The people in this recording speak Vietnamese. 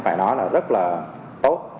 phải nói là rất là tốt